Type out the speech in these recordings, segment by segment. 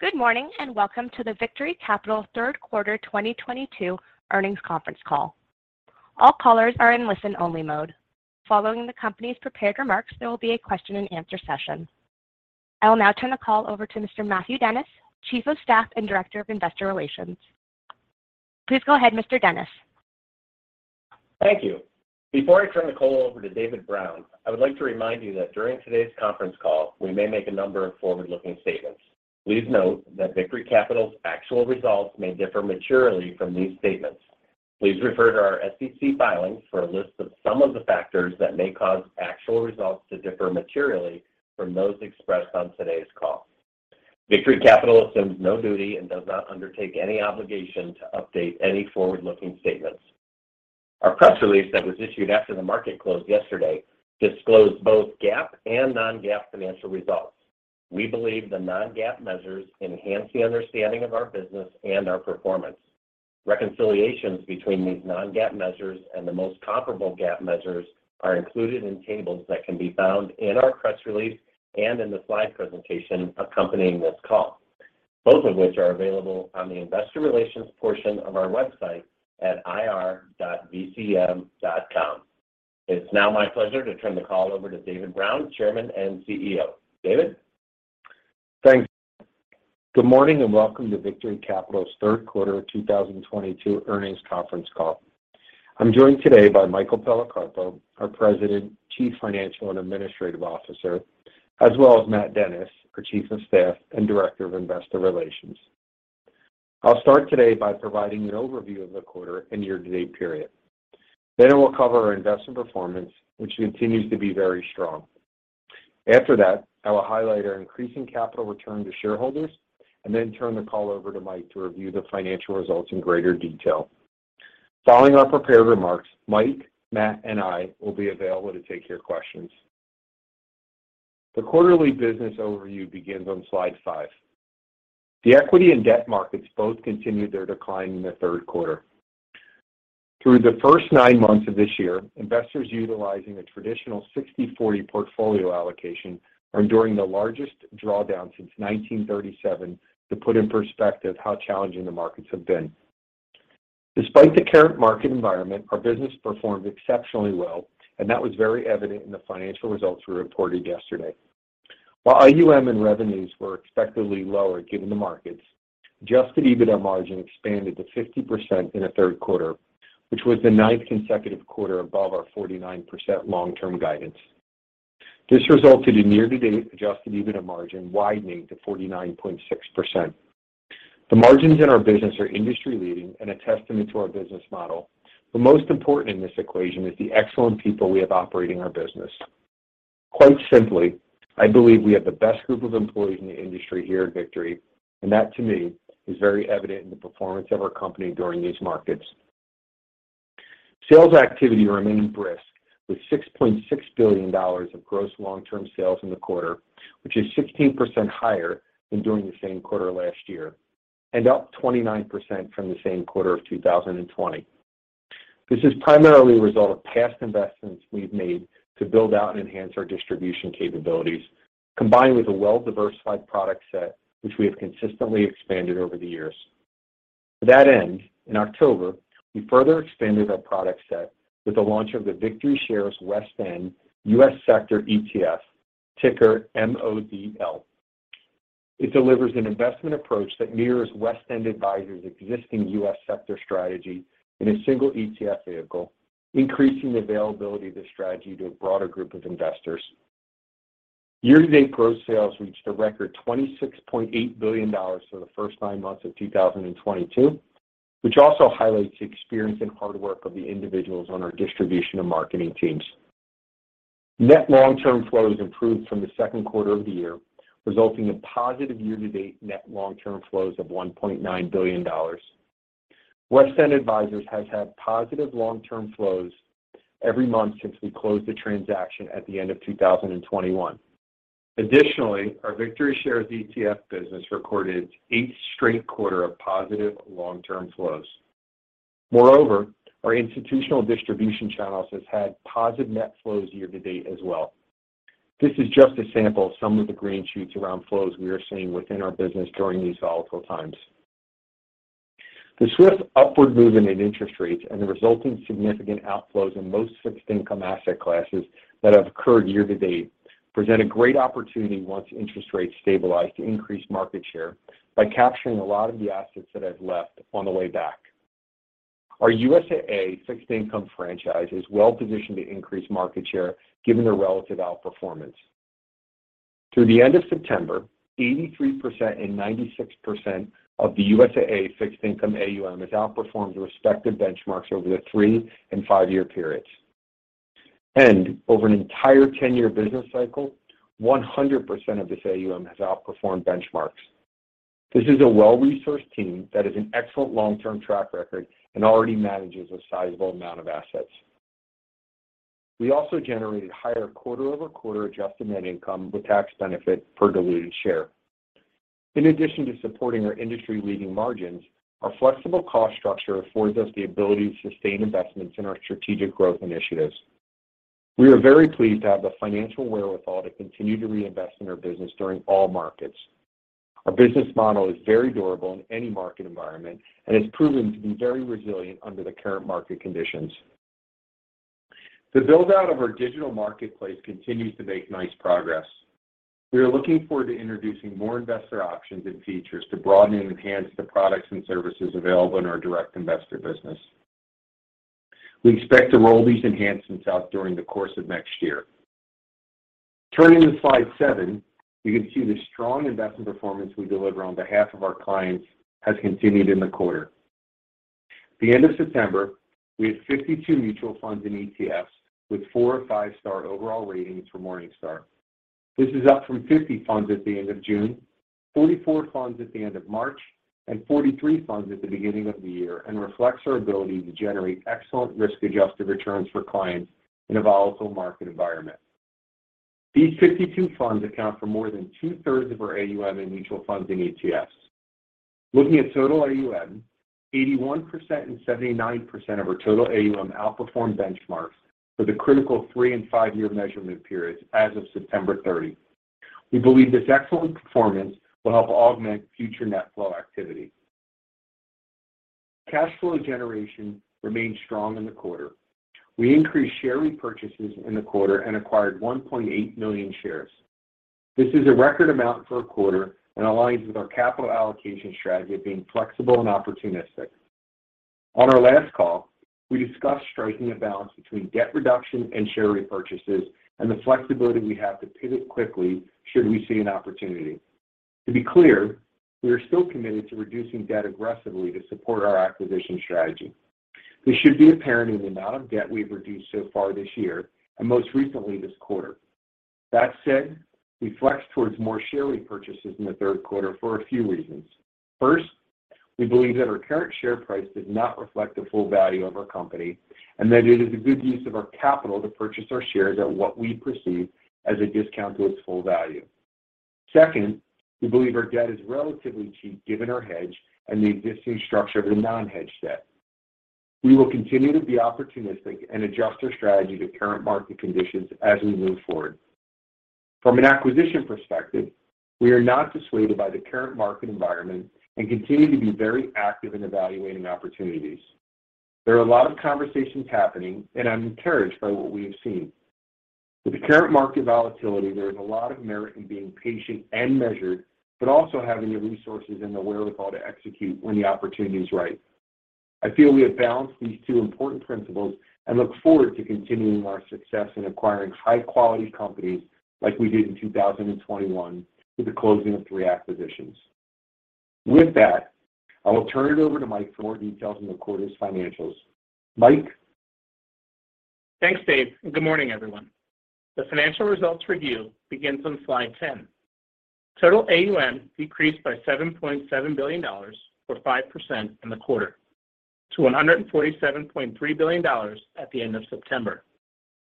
Good morning, and welcome to the Victory Capital third quarter 2022 earnings conference call. All callers are in listen-only mode. Following the company's prepared remarks, there will be a question-and-answer session. I will now turn the call over to Mr. Matthew Dennis, Chief of Staff and Director of Investor Relations. Please go ahead, Mr. Dennis. Thank you. Before I turn the call over to David Brown, I would like to remind you that during today's conference call, we may make a number of forward-looking statements. Please note that Victory Capital's actual results may differ materially from these statements. Please refer to our SEC filings for a list of some of the factors that may cause actual results to differ materially from those expressed on today's call. Victory Capital assumes no duty and does not undertake any obligation to update any forward-looking statements. Our press release that was issued after the market closed yesterday disclosed both GAAP and non-GAAP financial results. We believe the non-GAAP measures enhance the understanding of our business and our performance. Reconciliations between these non-GAAP measures and the most comparable GAAP measures are included in tables that can be found in our press release and in the slide presentation accompanying this call, both of which are available on the investor relations portion of our website at ir.vcm.com. It's now my pleasure to turn the call over to David Brown, Chairman and CEO. David? Thanks. Good morning and welcome to Victory Capital's third quarter 2022 earnings conference call. I'm joined today by Michael Policarpo, our President, Chief Financial and Administrative Officer, as well as Matt Dennis, our Chief of Staff and Director of Investor Relations. I'll start today by providing an overview of the quarter and year-to-date period. I will cover our investment performance, which continues to be very strong. After that, I will highlight our increasing capital return to shareholders and then turn the call over to Mike to review the financial results in greater detail. Following our prepared remarks, Mike, Matt, and I will be available to take your questions. The quarterly business overview begins on slide five. The equity and debt markets both continued their decline in the third quarter. Through the first nine months of this year, investors utilizing a traditional 60/40 portfolio allocation are enduring the largest drawdown since 1937 to put in perspective how challenging the markets have been. Despite the current market environment, our business performed exceptionally well, and that was very evident in the financial results we reported yesterday. While our AUM and revenues were expectedly lower given the markets, Adjusted EBITDA margin expanded to 50% in the third quarter, which was the ninth consecutive quarter above our 49% long-term guidance. This resulted in year-to-date Adjusted EBITDA margin widening to 49.6%. The margins in our business are industry-leading and a testament to our business model. The most important in this equation is the excellent people we have operating our business. Quite simply, I believe we have the best group of employees in the industry here at Victory, and that to me is very evident in the performance of our company during these markets. Sales activity remained brisk with $6.6 billion of gross long-term sales in the quarter, which is 16% higher than during the same quarter last year and up 29% from the same quarter of 2020. This is primarily a result of past investments we've made to build out and enhance our distribution capabilities, combined with a well-diversified product set, which we have consistently expanded over the years. To that end, in October, we further expanded our product set with the launch of the VictoryShares WestEnd US Sector ETF, ticker MODL. It delivers an investment approach that mirrors WestEnd Advisors' existing US sector strategy in a single ETF vehicle, increasing the availability of this strategy to a broader group of investors. Year-to-date gross sales reached a record $26.8 billion for the first nine months of 2022, which also highlights the experience and hard work of the individuals on our distribution and marketing teams. Net long-term flows improved from the second quarter of the year, resulting in positive year-to-date net long-term flows of $1.9 billion. WestEnd Advisors has had positive long-term flows every month since we closed the transaction at the end of 2021. Additionally, our VictoryShares ETF business recorded its eighth straight quarter of positive long-term flows. Moreover, our institutional distribution channels has had positive net flows year-to-date as well. This is just a sample of some of the green shoots around flows we are seeing within our business during these volatile times. The swift upward movement in interest rates and the resulting significant outflows in most fixed income asset classes that have occurred year-to-date present a great opportunity once interest rates stabilize to increase market share by capturing a lot of the assets that have left on the way back. Our USAA fixed income franchise is well-positioned to increase market share given their relative outperformance. Through the end of September, 83% and 96% of the USAA fixed income AUM has outperformed the respective benchmarks over the three and five-year periods. Over an entire 10-year business cycle, 100% of this AUM has outperformed benchmarks. This is a well-resourced team that has an excellent long-term track record and already manages a sizable amount of assets. We also generated higher quarter-over-quarter adjusted net income with tax benefit per diluted share. In addition to supporting our industry-leading margins, our flexible cost structure affords us the ability to sustain investments in our strategic growth initiatives. We are very pleased to have the financial wherewithal to continue to reinvest in our business during all markets. Our business model is very durable in any market environment and has proven to be very resilient under the current market conditions. The build-out of our digital marketplace continues to make nice progress. We are looking forward to introducing more investor options and features to broaden and enhance the products and services available in our direct investor business. We expect to roll these enhancements out during the course of next year. Turning to slide seven, you can see the strong investment performance we deliver on behalf of our clients has continued in the quarter. At the end of September, we had 52 mutual funds and ETFs with four- or five-star overall ratings from Morningstar. This is up from 50 funds at the end of June, 44 funds at the end of March, and 43 funds at the beginning of the year and reflects our ability to generate excellent risk-adjusted returns for clients in a volatile market environment. These 52 funds account for more than 2/3 Of our AUM in mutual funds and ETFs. Looking at total AUM, 81% and 79% of our total AUM outperformed benchmark for the critical three- and five-year measurement periods as of September 30. We believe this excellent performance will help augment future net flow activity. Cash flow generation remained strong in the quarter. We increased share repurchases in the quarter and acquired 1.8 million shares. This is a record amount for a quarter and aligns with our capital allocation strategy of being flexible and opportunistic. On our last call, we discussed striking a balance between debt reduction and share repurchases and the flexibility we have to pivot quickly should we see an opportunity. To be clear, we are still committed to reducing debt aggressively to support our acquisition strategy. This should be apparent in the amount of debt we've reduced so far this year and most recently this quarter. That said, we flexed towards more share repurchases in the third quarter for a few reasons. First, we believe that our current share price does not reflect the full value of our company, and that it is a good use of our capital to purchase our shares at what we perceive as a discount to its full value. Second, we believe our debt is relatively cheap given our hedge and the existing structure of the non-hedged debt. We will continue to be opportunistic and adjust our strategy to current market conditions as we move forward. From an acquisition perspective, we are not dissuaded by the current market environment and continue to be very active in evaluating opportunities. There are a lot of conversations happening, and I'm encouraged by what we have seen. With the current market volatility, there is a lot of merit in being patient and measured, but also having the resources and the wherewithal to execute when the opportunity is right. I feel we have balanced these two important principles and look forward to continuing our success in acquiring high-quality companies like we did in 2021 with the closing of three acquisitions. With that, I will turn it over to Mike for more details on the quarter's financials. Mike. Thanks, David, and good morning, everyone. The financial results review begins on slide 10. Total AUM decreased by $7.7 billion or 5% in the quarter to $147.3 billion at the end of September.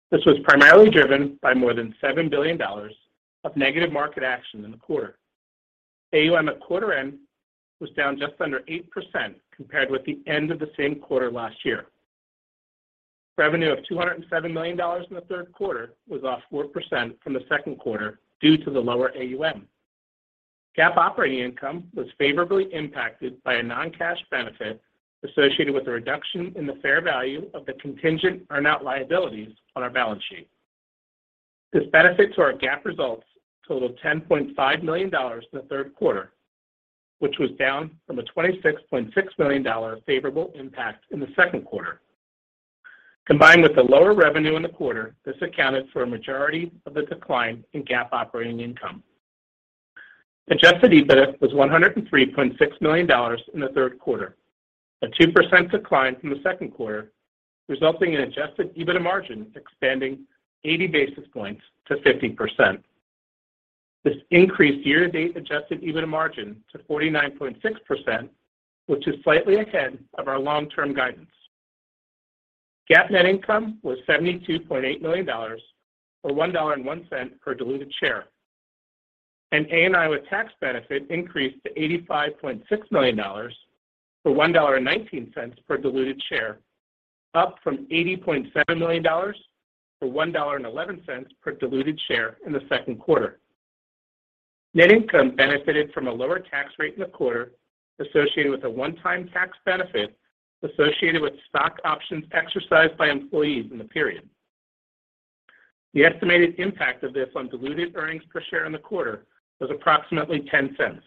This was primarily driven by more than $7 billion of negative market action in the quarter. AUM at quarter end was down just under 8% compared with the end of the same quarter last year. Revenue of $207 million in the third quarter was off 4% from the second quarter due to the lower AUM. GAAP operating income was favorably impacted by a non-cash benefit associated with the reduction in the fair value of the contingent earn-out liabilities on our balance sheet. This benefit to our GAAP results totaled $10.5 million in the third quarter, which was down from a $26.6 million favorable impact in the second quarter. Combined with the lower revenue in the quarter, this accounted for a majority of the decline in GAAP operating income. Adjusted EBITDA was $103.6 million in the third quarter, a 2% decline from the second quarter, resulting in Adjusted EBITDA margin expanding 80 basis points to 50%. This increased year-to-date Adjusted EBITDA margin to 49.6%, which is slightly ahead of our long-term guidance. GAAP net income was $72.8 million, or $1.01 per diluted share. ANI with tax benefit increased to $85.6 million, or $1.19 per diluted share, up from $80.7 million, or $1.11 per diluted share in the second quarter. Net income benefited from a lower tax rate in the quarter associated with a one-time tax benefit associated with stock options exercised by employees in the period. The estimated impact of this on diluted earnings per share in the quarter was approximately $0.10.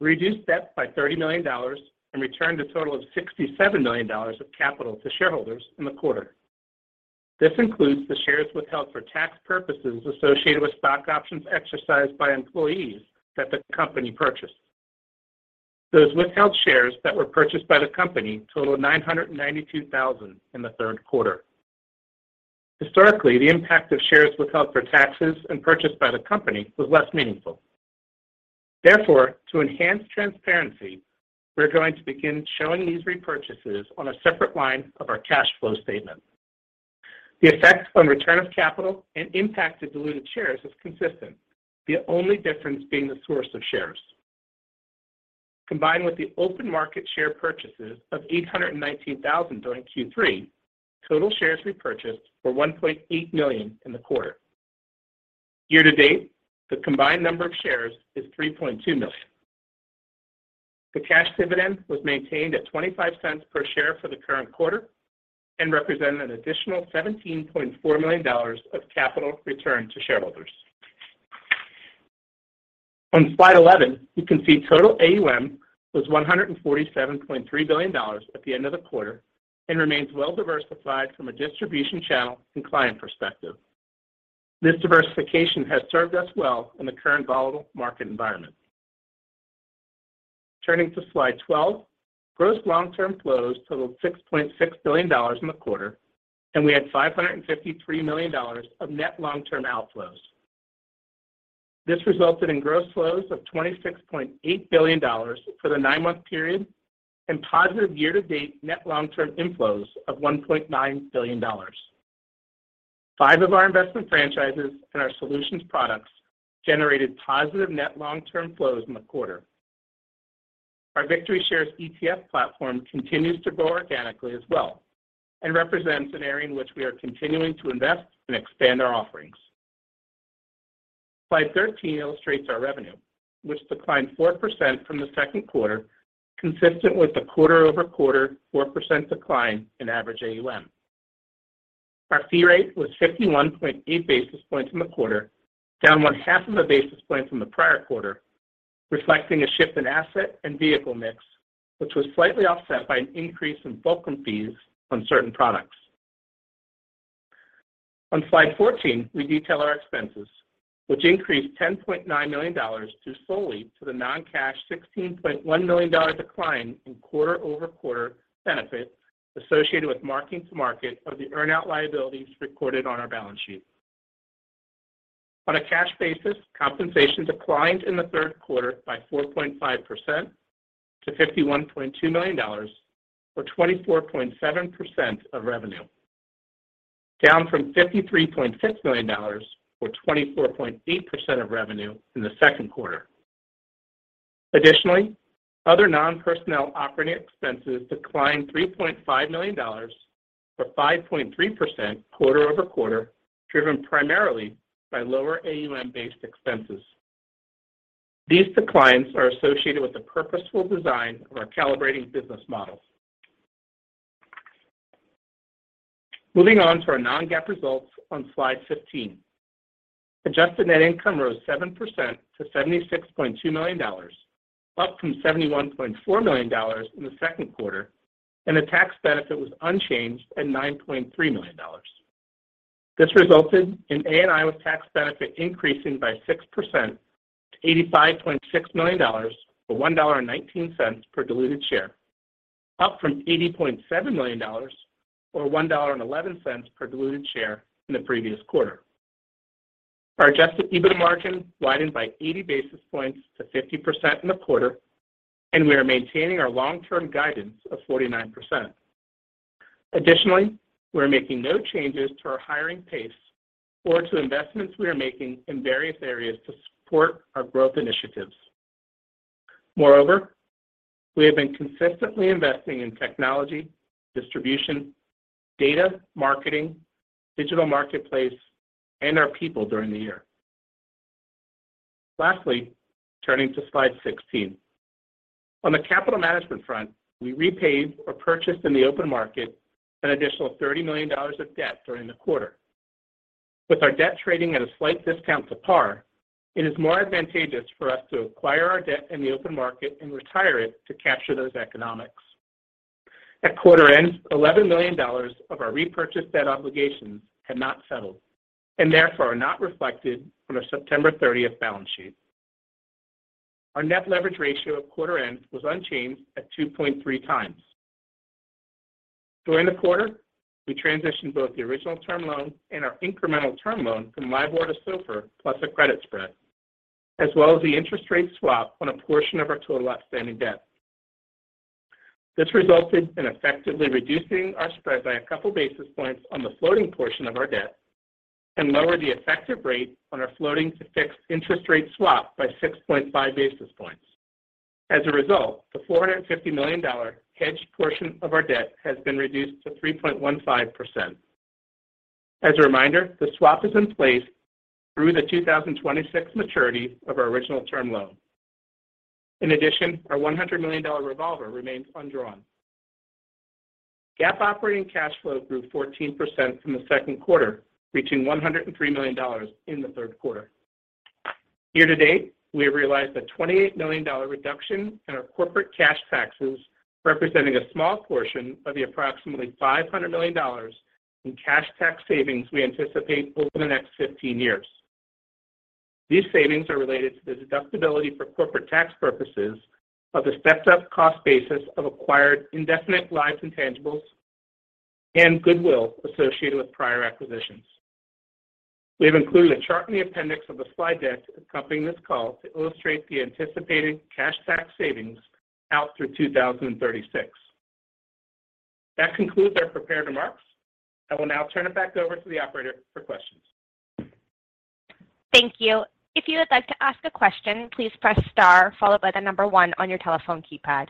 Reduced debt by $30 million and returned a total of $67 million of capital to shareholders in the quarter. This includes the shares withheld for tax purposes associated with stock options exercised by employees that the company purchased. Those withheld shares that were purchased by the company totaled 992,000 in the third quarter. Historically, the impact of shares withheld for taxes and purchased by the company was less meaningful. Therefore, to enhance transparency, we're going to begin showing these repurchases on a separate line of our cash flow statement. The effect on return of capital and impact to diluted shares is consistent. The only difference being the source of shares. Combined with the open market share purchases of 819,000 during Q3, total shares repurchased were 1.8 million in the quarter. Year to date, the combined number of shares is 3.2 million. The cash dividend was maintained at 25 cents per share for the current quarter and represented an additional $17.4 million of capital returned to shareholders. On slide 11, you can see total AUM was $147.3 billion at the end of the quarter and remains well-diversified from a distribution channel and client perspective. This diversification has served us well in the current volatile market environment. Turning to slide 12, gross long-term flows totaled $6.6 billion in the quarter, and we had $553 million of net long-term outflows. This resulted in gross flows of $26.8 billion for the nine-month period and positive year-to-date net long-term inflows of $1.9 billion. Five of our investment franchises and our solutions products generated positive net long-term flows in the quarter. Our VictoryShares ETF platform continues to grow organically as well and represents an area in which we are continuing to invest and expand our offerings. Slide 13 illustrates our revenue, which declined 4% from the second quarter, consistent with the quarter-over-quarter 4% decline in average AUM. Our fee rate was 51.8 basis points in the quarter, down 0.5 basis points from the prior quarter, reflecting a shift in asset and vehicle mix, which was slightly offset by an increase in fulcrum fees on certain products. On Slide 14, we detail our expenses, which increased $10.9 million due solely to the non-cash $16.1 million decline in quarter-over-quarter benefit associated with mark-to-market of the earn-out liabilities recorded on our balance sheet. On a cash basis, compensation declined in the third quarter by 4.5% to $51.2 million, or 24.7% of revenue, down from $53.6 million or 24.8% of revenue in the second quarter. Additionally, other non-personnel operating expenses declined $3.5 million or 5.3% quarter-over-quarter, driven primarily by lower AUM-based expenses. These declines are associated with the purposeful design of our calibrating business model. Moving on to our non-GAAP results on slide 15. Adjusted net income rose 7% to $76.2 million, up from $71.4 million in the second quarter, and the tax benefit was unchanged at $9.3 million. This resulted in ANI with tax benefit increasing by 6% to $85.6 million, or $1.19 per diluted share, up from $80.7 million or $1.11 per diluted share in the previous quarter. Our Adjusted EBITDA margin widened by 80 basis points to 50% in the quarter, and we are maintaining our long-term guidance of 49%. We're making no changes to our hiring pace or to investments we are making in various areas to support our growth initiatives. We have been consistently investing in technology, distribution, data, marketing, digital marketplace, and our people during the year. Lastly, turning to slide 16. On the capital management front, we repaid or purchased in the open market an additional $30 million of debt during the quarter. With our debt trading at a slight discount to par, it is more advantageous for us to acquire our debt in the open market and retire it to capture those economics. At quarter end, $11 million of our repurchased debt obligations had not settled and therefore are not reflected on our September thirtieth balance sheet. Our net leverage ratio at quarter end was unchanged at 2.3x. During the quarter, we transitioned both the original term loan and our incremental term loan from LIBOR to SOFR, plus a credit spread, as well as the interest rate swap on a portion of our total outstanding debt. This resulted in effectively reducing our spread by a couple basis points on the floating portion of our debt and lowered the effective rate on our floating to fixed interest rate swap by 6.5 basis points. As a result, the $450 million hedged portion of our debt has been reduced to 3.15%. As a reminder, the swap is in place through the 2026 maturity of our original term loan. In addition, our $100 million revolver remains undrawn. GAAP operating cash flow grew 14% from the second quarter, reaching $103 million in the third quarter. Year to date, we have realized a $28 million reduction in our corporate cash taxes, representing a small portion of the approximately $500 million in cash tax savings we anticipate over the next 15 years. These savings are related to the deductibility for corporate tax purposes of the stepped-up cost basis of acquired indefinite lives intangibles and goodwill associated with prior acquisitions. We have included a chart in the appendix of the slide deck accompanying this call to illustrate the anticipated cash tax savings out through 2036. That concludes our prepared remarks. I will now turn it back over to the operator for questions. Thank you. If you would like to ask a question, please press star followed by the number one on your telephone keypad.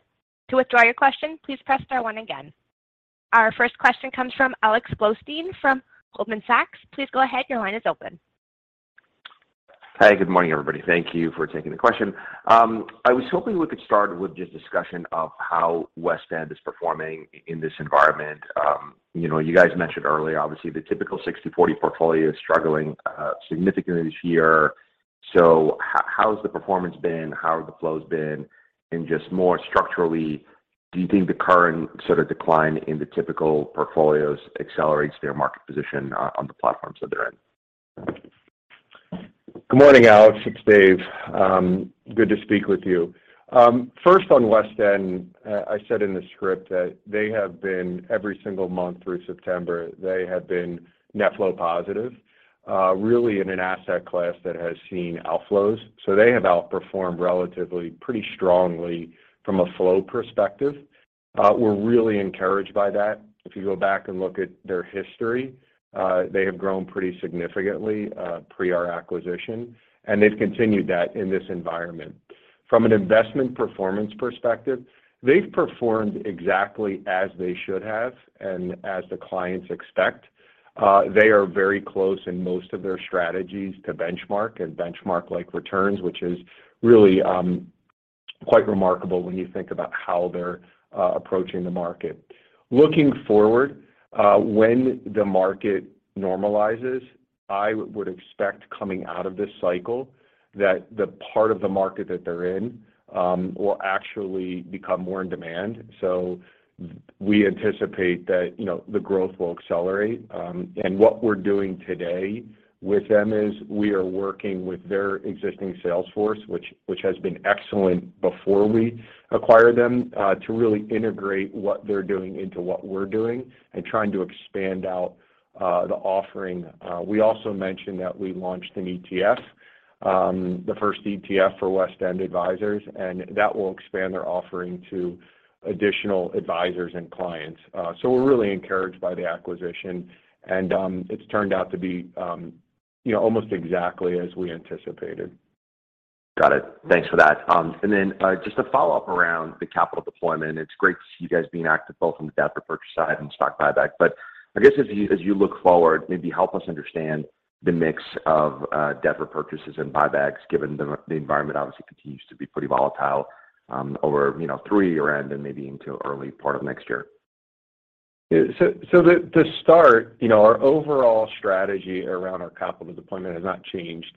To withdraw your question, please press star one again. Our first question comes from Alexander Blostein from Goldman Sachs. Please go ahead. Your line is open. Hi, good morning, everybody. Thank you for taking the question. I was hoping we could start with just discussion of how WestEnd is performing in this environment. You know, you guys mentioned earlier, obviously, the typical 60/40 portfolio is struggling significantly this year. How has the performance been? How have the flows been? And just more structurally, do you think the current sort of decline in the typical portfolios accelerates their market position on the platforms that they're in? Good morning, Alex. It's Dave. Good to speak with you. First on WestEnd, I said in the script that they have been every single month through September. They have been net flow positive, really in an asset class that has seen outflows. They have outperformed relatively pretty strongly from a flow perspective. We're really encouraged by that. If you go back and look at their history, they have grown pretty significantly, pre our acquisition, and they've continued that in this environment. From an investment performance perspective, they've performed exactly as they should have and as the clients expect. They are very close in most of their strategies to benchmark and benchmark-like returns, which is really, quite remarkable when you think about how they're approaching the market. Looking forward, when the market normalizes, I would expect coming out of this cycle that the part of the market that they're in will actually become more in demand. We anticipate that, you know, the growth will accelerate. What we're doing today with them is we are working with their existing sales force, which has been excellent before we acquired them to really integrate what they're doing into what we're doing and trying to expand out the offering. We also mentioned that we launched an ETF, the first ETF for WestEnd Advisors, and that will expand their offering to additional advisors and clients. We're really encouraged by the acquisition. It's turned out to be, you know, almost exactly as we anticipated. Got it. Thanks for that. Just a follow-up around the capital deployment. It's great to see you guys being active both on the debt repurchase side and stock buyback. I guess as you look forward, maybe help us understand the mix of debt repurchases and buybacks, given the environment obviously continues to be pretty volatile, you know, through year-end and maybe into early part of next year. To start, you know, our overall strategy around our capital deployment has not changed.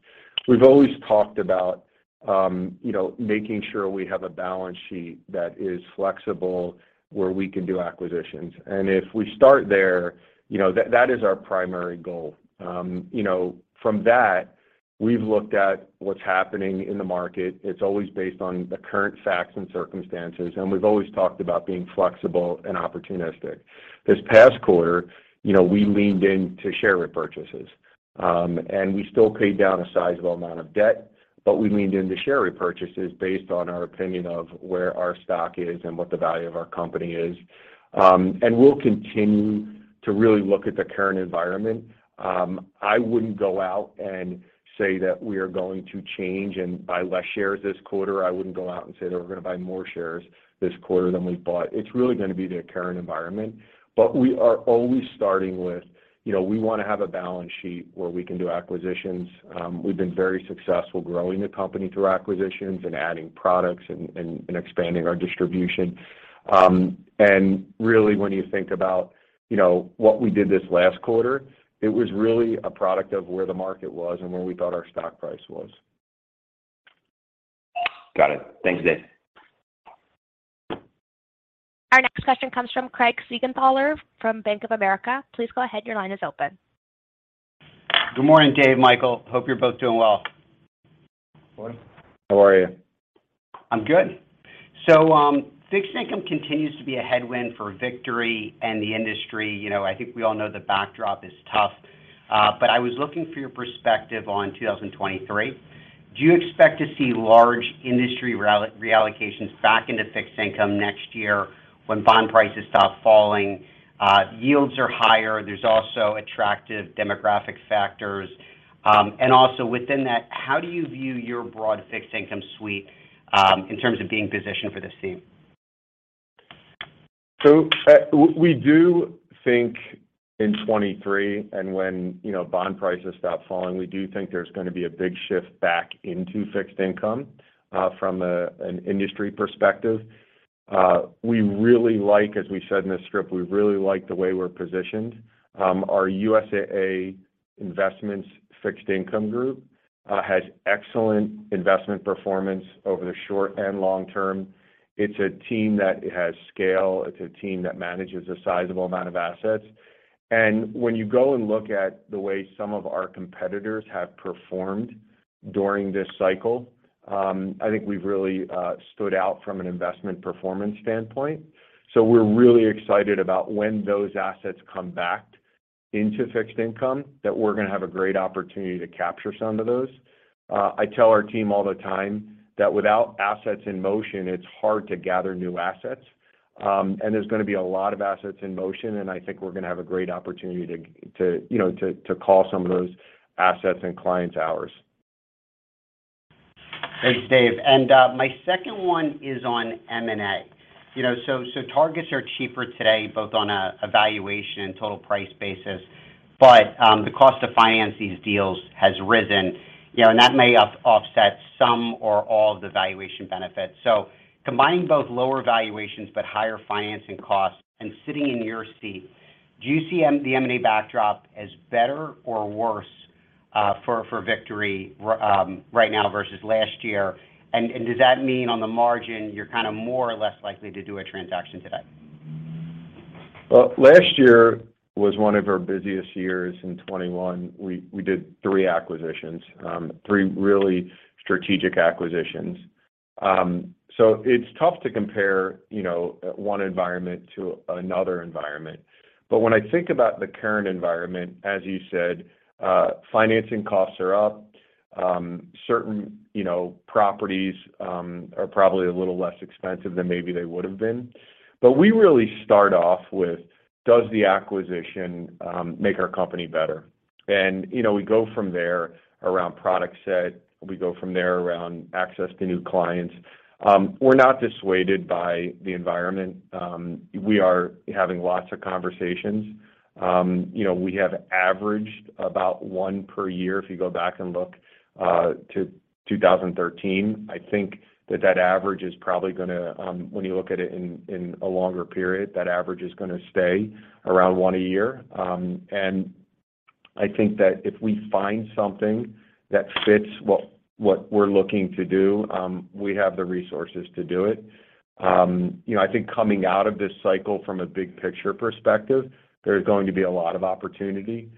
We've always talked about, you know, making sure we have a balance sheet that is flexible, where we can do acquisitions. If we start there, you know, that is our primary goal. You know, from that, we've looked at what's happening in the market. It's always based on the current facts and circumstances, and we've always talked about being flexible and opportunistic. This past quarter, you know, we leaned into share repurchases. We still paid down a sizable amount of debt, but we leaned into share repurchases based on our opinion of where our stock is and what the value of our company is. We'll continue to really look at the current environment. I wouldn't go out and say that we are going to change and buy less shares this quarter. I wouldn't go out and say that we're going to buy more shares this quarter than we've bought. It's really going to be the current environment. We are always starting with, you know, we want to have a balance sheet where we can do acquisitions. We've been very successful growing the company through acquisitions and adding products and expanding our distribution. Really when you think about, you know, what we did this last quarter, it was really a product of where the market was and where we thought our stock price was. Got it. Thanks, Dave. Our next question comes from Craig Siegenthaler from Bank of America. Please go ahead. Your line is open. Good morning, David, Michael. Hope you're both doing well. Morning. How are you? I'm good. Fixed income continues to be a headwind for Victory and the industry. You know, I think we all know the backdrop is tough. I was looking for your perspective on 2023. Do you expect to see large industry reallocations back into fixed income next year when bond prices stop falling? Yields are higher. There's also attractive demographic factors. Within that, how do you view your broad fixed income suite in terms of being positioned for this theme? We do think in 2023 and when, you know, bond prices stop falling, we do think there's going to be a big shift back into fixed income from an industry perspective. We really like, as we said in the script, the way we're positioned. Our USAA Investments Fixed Income Group has excellent investment performance over the short and long term. It's a team that has scale. It's a team that manages a sizable amount of assets. When you go and look at the way some of our competitors have performed during this cycle, I think we've really stood out from an investment performance standpoint. We're really excited about when those assets come back into fixed income, that we're going to have a great opportunity to capture some of those. I tell our team all the time that without assets in motion, it's hard to gather new assets. There's going to be a lot of assets in motion. I think we're going to have a great opportunity to, you know, to call some of those assets and clients ours. Thanks, David. My second one is on M&A. Targets are cheaper today, both on a valuation and total price basis, but the cost to finance these deals has risen, and that may offset some or all of the valuation benefits. Combining both lower valuations but higher financing costs and sitting in your seat, do you see the M&A backdrop as better or worse for Victory right now versus last year? Does that mean on the margin, you're kind of more or less likely to do a transaction today? Well, last year was one of our busiest years. In 2021, we did three acquisitions, three really strategic acquisitions. It's tough to compare, you know, one environment to another environment. When I think about the current environment, as you said, financing costs are up. Certain, you know, properties are probably a little less expensive than maybe they would have been. We really start off with, does the acquisition make our company better? You know, we go from there around product set. We go from there around access to new clients. We're not dissuaded by the environment. We are having lots of conversations. You know, we have averaged about 1 per year, if you go back and look, to 2013. I think that average is probably gonna, when you look at it in a longer period, that average is gonna stay around one a year. I think that if we find something that fits what we're looking to do, we have the resources to do it. You know, I think coming out of this cycle from a big picture perspective, there's going to be a lot of opportunity,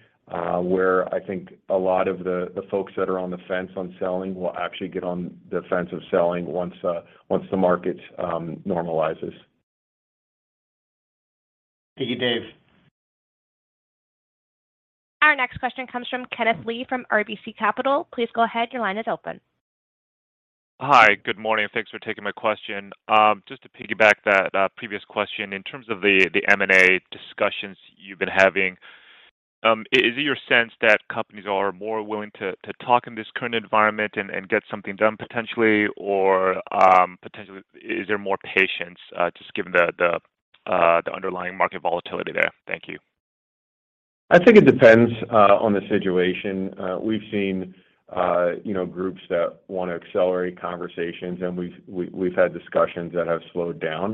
where I think a lot of the folks that are on the fence on selling will actually get on the fence of selling once the market normalizes. Thank you, Dave. Our next question comes from Kenneth Lee from RBC Capital. Please go ahead. Your line is open. Hi. Good morning, and thanks for taking my question. Just to piggyback that previous question, in terms of the M&A discussions you've been having, is it your sense that companies are more willing to talk in this current environment and get something done potentially, or potentially is there more patience just given the underlying market volatility there? Thank you. I think it depends on the situation. We've seen you know groups that wanna accelerate conversations, and we've had discussions that have slowed down.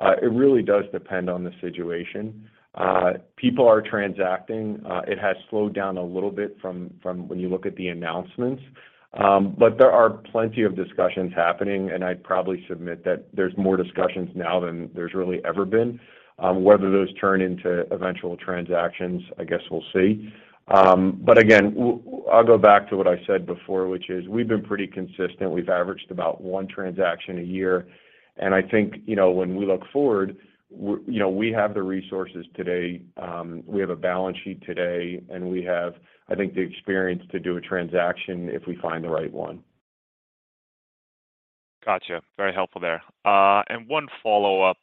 It really does depend on the situation. People are transacting. It has slowed down a little bit from when you look at the announcements. There are plenty of discussions happening, and I'd probably submit that there's more discussions now than there's really ever been. Whether those turn into eventual transactions, I guess we'll see. Again, I'll go back to what I said before, which is we've been pretty consistent. We've averaged about one transaction a year. I think, you know, when we look forward, you know, we have the resources today. We have a balance sheet today, and we have, I think, the experience to do a transaction if we find the right one. Gotcha. Very helpful there. One follow-up,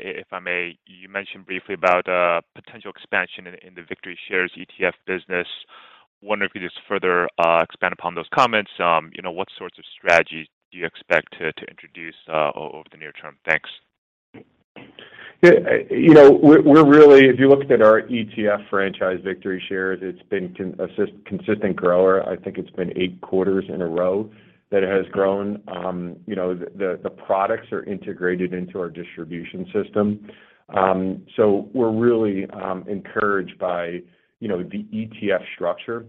if I may. You mentioned briefly about a potential expansion in the VictoryShares ETF business. Wondering if you could just further expand upon those comments. You know, what sorts of strategies do you expect to introduce over the near term? Thanks. Yeah. You know, we're really. If you look at our ETF franchise, VictoryShares, it's been a consistent grower. I think it's been 8 quarters in a row that it has grown. You know, the products are integrated into our distribution system. So we're really encouraged by, you know, the ETF structure.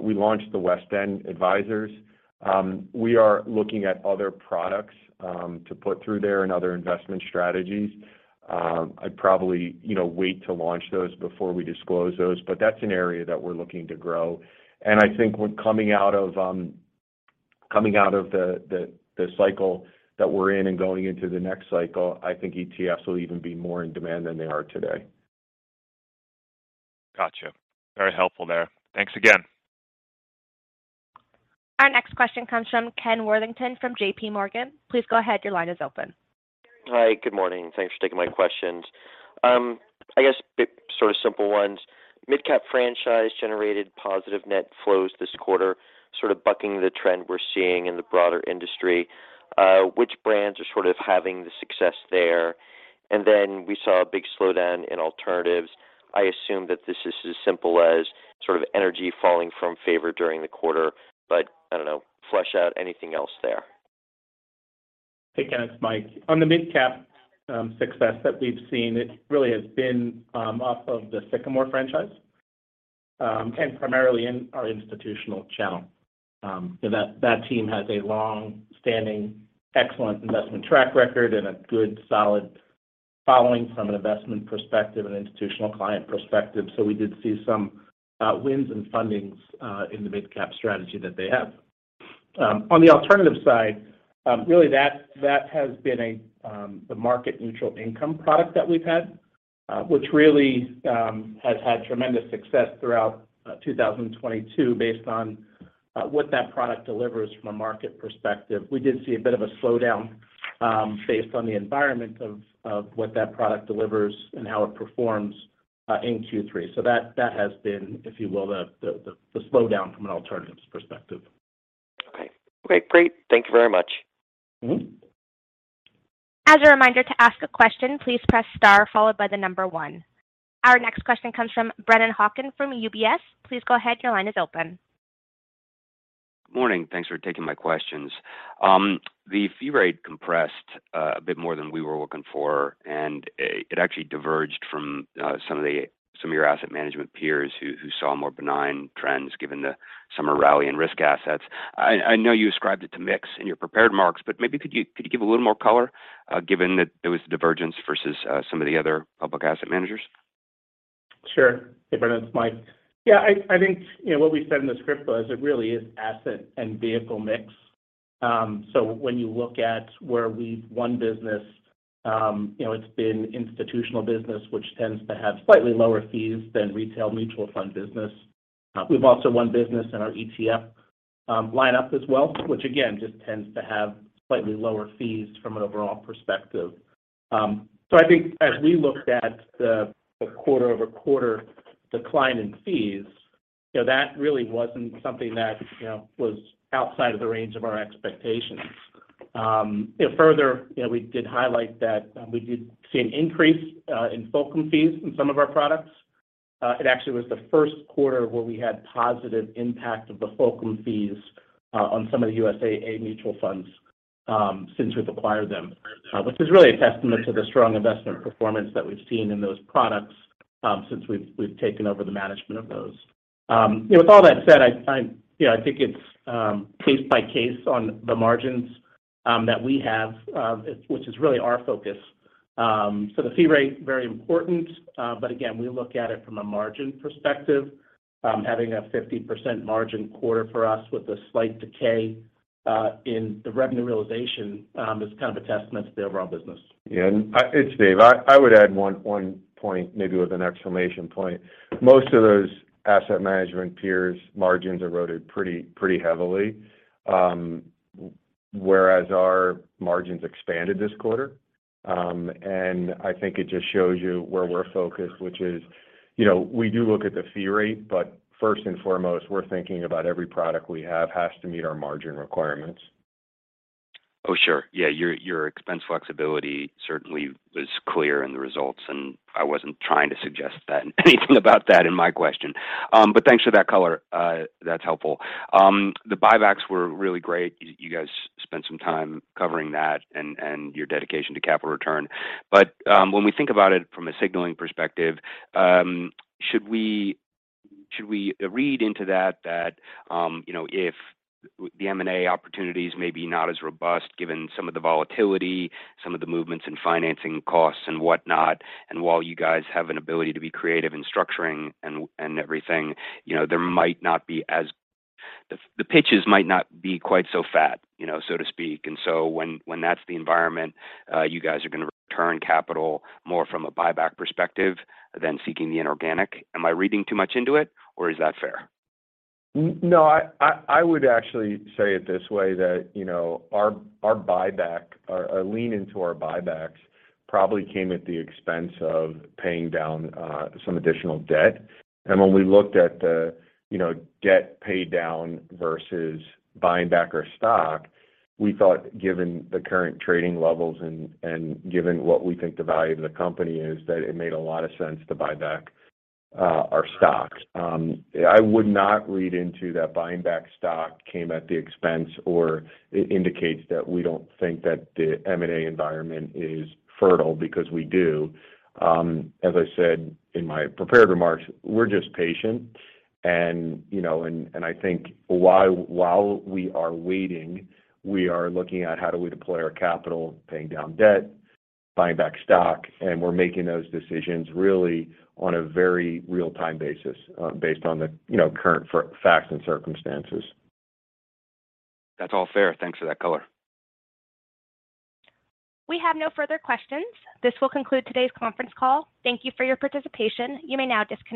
We launched the WestEnd Advisors. We are looking at other products to put through there and other investment strategies. I'd probably, you know, wait to launch those before we disclose those, but that's an area that we're looking to grow. I think when coming out of coming out of the cycle that we're in and going into the next cycle, I think ETFs will even be more in demand than they are today. Gotcha. Very helpful there. Thanks again. Our next question comes from Ken Worthington from JPMorgan. Please go ahead. Your line is open. Hi. Good morning, and thanks for taking my questions. I guess sort of simple ones. Mid-cap franchise generated positive net flows this quarter, sort of bucking the trend we're seeing in the broader industry. Which brands are sort of having the success there? We saw a big slowdown in alternatives. I assume that this is as simple as sort of energy falling from favor during the quarter, but I don't know, flesh out anything else there. Hey, Ken, it's Mike. On the midcap success that we've seen, it really has been off of the Sycamore Capital franchise and primarily in our institutional channel. That team has a long-standing excellent investment track record and a good, solid following from an investment perspective and institutional client perspective. We did see some wins and fundings in the midcap strategy that they have. On the alternative side, really that has been the market neutral income product that we've had, which really has had tremendous success throughout 2022 based on what that product delivers from a market perspective. We did see a bit of a slowdown Based on the environment of what that product delivers and how it performs in Q3. That has been, if you will, the slowdown from an alternatives perspective. Okay. Okay, great. Thank you very much. Mm-hmm. As a reminder, to ask a question, please press star followed by the number one. Our next question comes from Brennan Hawken from UBS. Please go ahead, your line is open. Morning. Thanks for taking my questions. The fee rate compressed a bit more than we were looking for, and it actually diverged from some of your asset management peers who saw more benign trends given the summer rally in risk assets. I know you ascribed it to mix in your prepared marks, but maybe you could give a little more color given that there was a divergence versus some of the other public asset managers? Sure. Hey, Brennan, it's Mike. Yeah, I think, you know, what we said in the script was it really is asset and vehicle mix. So when you look at where we've won business, you know, it's been institutional business which tends to have slightly lower fees than retail mutual fund business. We've also won business in our ETF lineup as well, which again just tends to have slightly lower fees from an overall perspective. So I think as we looked at the quarter-over-quarter decline in fees, you know, that really wasn't something that, you know, was outside of the range of our expectations. You know, further, you know, we did highlight that we did see an increase in fulcrum fees in some of our products. It actually was the first quarter where we had positive impact of the fulcrum fees on some of the USAA mutual funds since we've acquired them. Which is really a testament to the strong investment performance that we've seen in those products since we've taken over the management of those. You know, with all that said, I think it's case by case on the margins that we have, which is really our focus. The fee rate, very important. Again, we look at it from a margin perspective. Having a 50% margin quarter for us with a slight decay in the revenue realization is kind of a testament to the overall business. Yeah. It's David. I would add one point maybe with an exclamation point. Most of those asset management peers' margins eroded pretty heavily. Whereas our margins expanded this quarter. I think it just shows you where we're focused, which is, you know, we do look at the fee rate, but first and foremost, we're thinking about every product we have has to meet our margin requirements. Oh, sure. Yeah, your expense flexibility certainly was clear in the results, and I wasn't trying to suggest that anything about that in my question. Thanks for that color. That's helpful. The buybacks were really great. You guys spent some time covering that and your dedication to capital return. When we think about it from a signaling perspective, should we read into that, you know, if the M&A opportunity is maybe not as robust given some of the volatility, some of the movements in financing costs and whatnot? While you guys have an ability to be creative in structuring and everything, you know, there might not be. The pitches might not be quite so fat, you know, so to speak. When that's the environment, you guys are gonna return capital more from a buyback perspective than seeking the inorganic. Am I reading too much into it or is that fair? No, I would actually say it this way that, you know, our buyback, our lean into our buybacks probably came at the expense of paying down some additional debt. When we looked at the, you know, debt pay down versus buying back our stock, we thought given the current trading levels and given what we think the value of the company is, that it made a lot of sense to buy back our stocks. I would not read into that buying back stock came at the expense or it indicates that we don't think that the M&A environment is fertile because we do. As I said in my prepared remarks, we're just patient. You know, I think while we are waiting, we are looking at how do we deploy our capital, paying down debt, buying back stock, and we're making those decisions really on a very real-time basis, based on the, you know, current facts and circumstances. That's all fair. Thanks for that color. We have no further questions. This will conclude today's conference call. Thank you for your participation. You may now disconnect.